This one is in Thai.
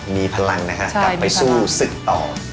มีพลังนะฮะกลับไปสู้ศึกต่อ